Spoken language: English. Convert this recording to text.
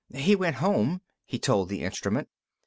"He went home," he told the instrument.